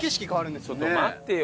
ちょっと待ってよ